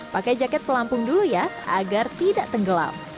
pakai jaket pelampung dulu ya agar tidak tenggelam